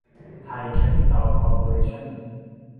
ไทย แคปปิตอล คอร์ปอเรชั่น